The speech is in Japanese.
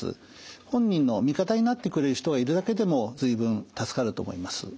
本人の味方になってくれる人がいるだけでも随分助かると思います。